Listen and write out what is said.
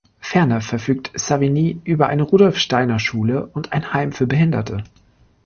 Ferner verfügt Savigny über eine Rudolf-Steiner-Schule und ein Heim für Behinderte.